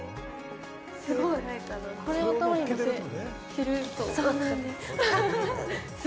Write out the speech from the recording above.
すごい！これを頭に乗せてると。